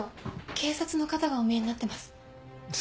警察の方がおみえになってます。